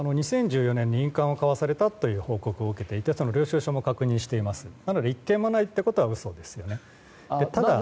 ２０１４年に印鑑を交わされたという報告を受けていてその領収書も確認していますので嘘ですね。